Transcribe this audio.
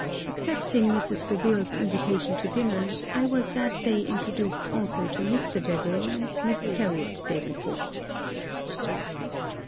Accepting Mrs. Beville's invitation to dinner, I was that day introduced also to Mr. Beville and Miss Harriot Davenport.